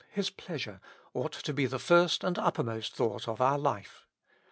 His pleasure, ought to be the first and uppermost thought of our life.